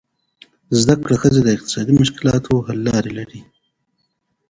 زده کړه ښځه د اقتصادي مشکلاتو حل لارې لري.